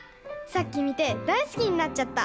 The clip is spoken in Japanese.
さっきみてだいすきになっちゃった。